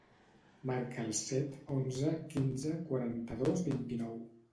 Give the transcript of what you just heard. Marca el set, onze, quinze, quaranta-dos, vint-i-nou.